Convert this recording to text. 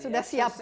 sudah siap ke